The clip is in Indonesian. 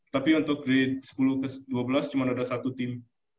tapi untuk grade sepuluh ke dua belas cuma ada satu tim